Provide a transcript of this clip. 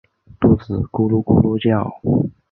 肚子咕噜咕噜叫